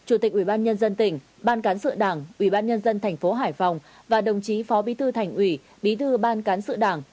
ubkt ban cán sự đảng ubnd tp hải phòng và đồng chí phó bí thư thành ủy bí thư ban cán sự đảng